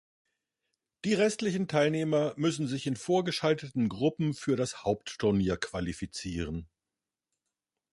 Die restlichen Teilnehmer müssen sich in vorgeschalteten Gruppen für das Hauptturnier qualifizieren.